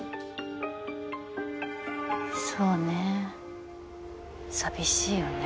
そうね寂しいよね。